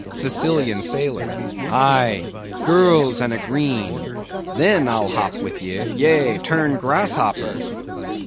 SICILIAN SAILOR. Aye; girls and a green!—then I'll hop with ye; yea, turn grasshopper!